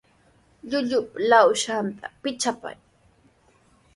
Llullupa lawsanta pichapay.